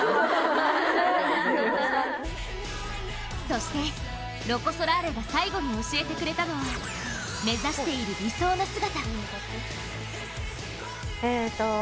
そして、ロコ・ソラーレが最後に教えてくれたのは目指している理想の姿。